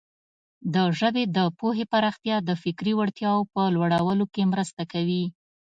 د ژبې د پوهې پراختیا د فکري وړتیاوو په لوړولو کې مرسته کوي.